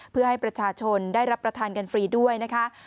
เพื่อให้ประชาชนได้รับประทานกันฟรีด้วยนะคะ